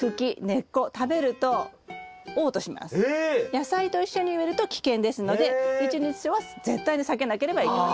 野菜と一緒に植えると危険ですのでニチニチソウは絶対に避けなければいけない。